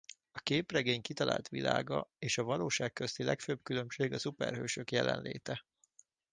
A képregény kitalált világa és a valóság közötti legfőbb különbség a szuperhősök jelenléte.